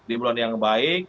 di bulan yang baik